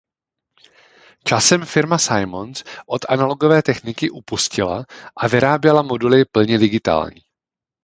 Časem firma Simmons od analogové techniky upustila a vyráběla moduly plně digitální.